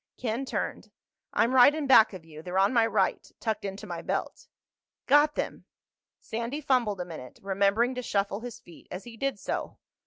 Ken turned. "I'm right in back of you. They're on my right—tucked into my belt." "Got them!" Sandy fumbled a minute, remembering to shuffle his feet as he did so.